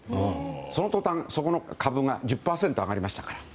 そのとたん、そこの株が１０％上がりました。